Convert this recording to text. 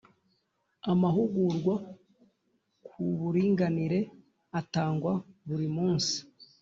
Amahugurwa ku buringanire atangwa burimunsi.